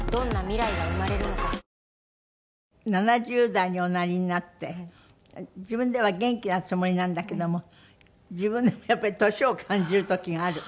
７０代におなりになって自分では元気なつもりなんだけども自分でもやっぱり年を感じる時があると？